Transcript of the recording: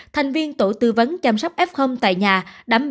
thành viên tổ tư vấn chăm sóc f tại nhà